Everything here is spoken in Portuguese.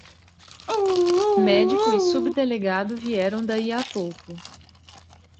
Médico e subdelegado vieram daí a pouco.